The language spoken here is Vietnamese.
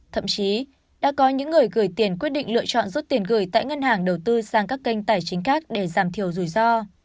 thậm chí đã có những người gửi tiền quyết định lựa chọn rút tiền gửi tại ngân hàng đầu tư sang các kênh tài chính khác để giảm thiểu rủi ro